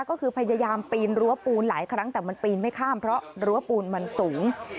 ก็คือพยายามปีนรั้วปูนหลายครั้งแต่มันปีนไม่ข้ามเพราะรั้วปูนมันสูง